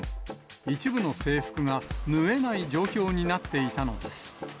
一部の制服が縫えない状況になっていたのです。